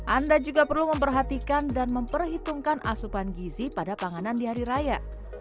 anda juga perlu memperhatikan dan memperhitungkan asupan gizi pada panganan di hari raya